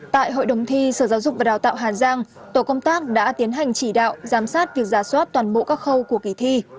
tại hội đồng thi sở giáo dục và đào tạo hà giang tổ công tác đã tiến hành chỉ đạo giám sát việc giả soát toàn bộ các khâu của kỳ thi